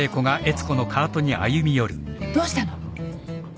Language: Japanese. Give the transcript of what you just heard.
どうしたの？